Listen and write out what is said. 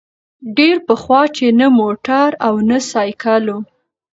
ډېر پخوا چي نه موټر او نه سایکل وو